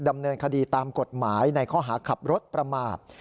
ดำเนินคดีตามกฎหมายในข้อหาขับรถประมาท